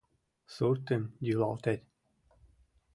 — Суртым йӱлалтет!